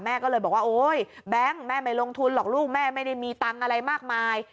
แม่ก็เลยบอกว่าโอ๊ยแบงค์แม่ไม่ลงทุนหรอกลูกแม่ไม่ได้มีตังค์อะไรมากมาย